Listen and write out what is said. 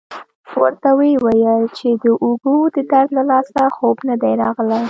ورته ویې ویل چې د اوږو د درد له لاسه خوب نه دی راغلی.